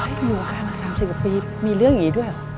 อยู่วงการมา๓๐กว่าปีมีเรื่องอย่างนี้ด้วยเหรอ